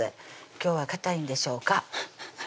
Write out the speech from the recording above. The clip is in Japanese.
今日はかたいんでしょうか？